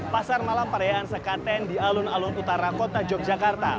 pasar malam perayaan sekaten di alun alun utara kota yogyakarta